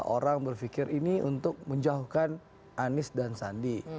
orang berpikir ini untuk menjauhkan anies dan sandi